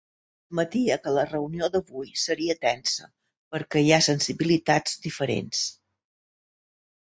Admetia que la reunió d’avui seria tensa perquè hi ha ‘sensibilitats diferents’.